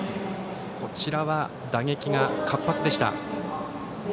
こちらは打撃が活発でした。